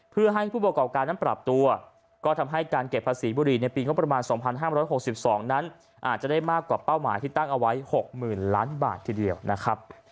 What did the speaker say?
เพื่อให้ผู้ประกอบการนั้นปรับตัวก็ทำให้การเก็บภาษีบุรีในปีงบประมาณ๒๕๖๒นั้นอาจจะได้มากกว่าเป้าหมายที่ตั้งเอาไว้๖๐๐๐ล้านบาททีเดียวนะครับ